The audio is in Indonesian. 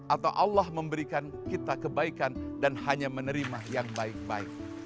atau allah memberikan kita kebaikan dan hanya menerima yang baik baik